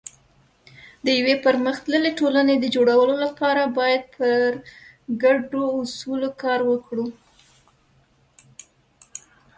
د یو پرمختللي ټولنې د جوړولو لپاره باید پر ګډو اصولو کار وکړو.